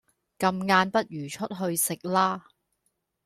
咁晏不如出去食啦